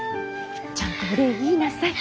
ちゃんとお礼言いなさい。